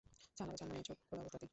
ছানারা জন্ম নেয় চোখ খোলা অবস্থাতেই।